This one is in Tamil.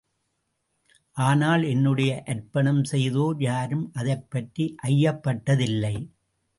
ஆனால் என்னுடைய அர்ப்பணம் செய்தோர் யாரும் அதைப்பற்றி ஐயப்பட்டதில்லை.